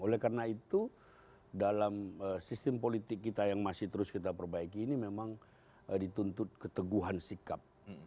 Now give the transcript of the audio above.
oleh karena itu dalam sistem politik kita yang masih terus kita perbaiki ini memang dituntut keteguhan sikap